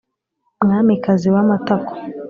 mwamikazi w'amatako